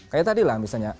kayak tadi lah misalnya